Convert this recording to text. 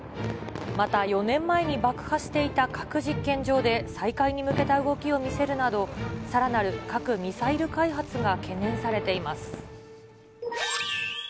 また４年前に爆破していた核実験場で再開に向けた動きを見せるなど、さらなる核・ミサイル開発が懸念されています。